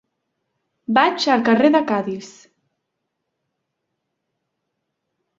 Vaig al carrer de Cadis.